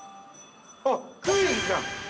あっクイズじゃん！